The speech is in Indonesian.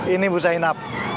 ini bu zainab